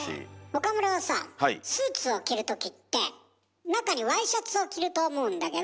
岡村はさぁスーツを着るときって中にワイシャツを着ると思うんだけど。